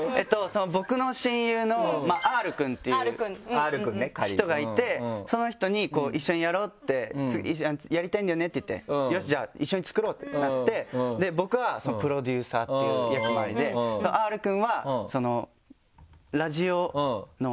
僕の親友のＲくんっていう人がいてその人に「一緒にやろう」って「やりたいんだよね」って言って「よしじゃあ一緒に作ろう」ってなって僕はプロデューサーっていう役回りでＲくんはラジオの。